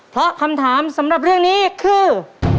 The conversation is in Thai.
เพราะคำถามสำหรับเรื่องนี้คือ